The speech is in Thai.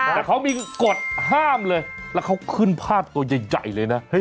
แต่เขามีกฎห้ามเลยแล้วเขาขึ้นภาพตัวใหญ่เลยนะ